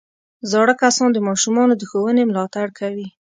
زاړه کسان د ماشومانو د ښوونې ملاتړ کوي